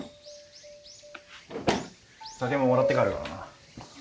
酒ももらって帰るからな。